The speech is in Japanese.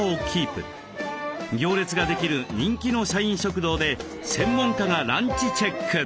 行列ができる人気の社員食堂で専門家がランチチェック！